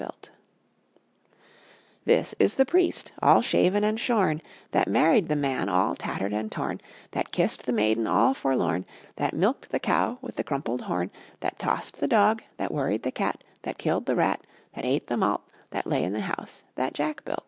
This is the Priest, all shaven and shorn, That married the Man all tattered and torn, That kissed the Maiden all forlorn, That milked the Cow with the crumpled horn, That tossed the Dog, That worried the Cat, That killed the Rat, That ate the Malt, That lay in the House that Jack built.